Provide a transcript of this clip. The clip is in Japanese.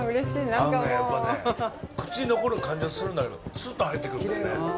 口に残る感じがするんだけどスっと入っていくんだよね。